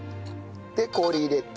で氷入れて。